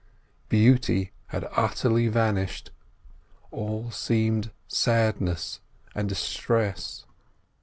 Beauty had utterly vanished, all seemed sadness and distress.